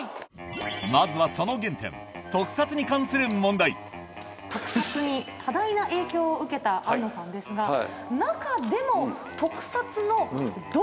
まずはその原点特撮に関する問題特撮に多大な影響を受けた庵野さんですが中でも。